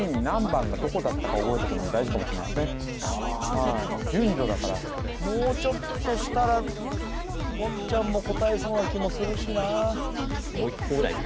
面白いこれ地味にああそっか順序だからもうちょっとしたら言ちゃんも答えそうな気もするしなもう一個ぐらいいく？